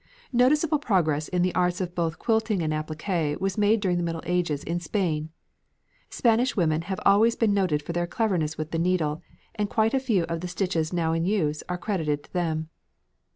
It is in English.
Noticeable progress in the arts of both quilting and appliqué was made during the Middle Ages in Spain. Spanish women have always been noted for their cleverness with the needle, and quite a few of the stitches now in use are credited to them.